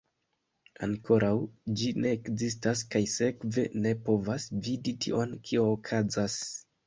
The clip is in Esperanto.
Ankoraŭ ĝi ne ekzistas kaj sekve, ne povas vidi tion kio okazas.